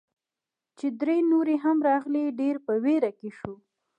چې درې نورې هم راغلې، ډېر په ویره کې شوو.